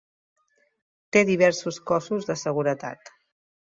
Té diversos cossos de seguretat.